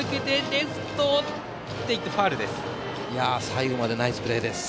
最後までナイスプレーです。